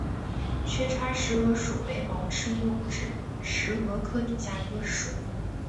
缺叉石蛾属为毛翅目指石蛾科底下的一个属。